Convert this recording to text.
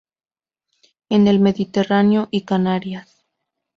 En el Mediterráneo y Canarias.